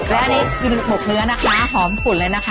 และอันนี้หมกเนื้อนะคะหอมฝุ่นเลยนะคะ